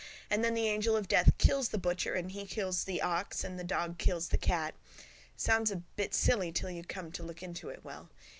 And then the angel of death kills the butcher and he kills the ox and the dog kills the cat. Sounds a bit silly till you come to look into it well.